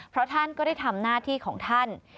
เพราะท่านก็ได้ทำหน้าที่ของท่าน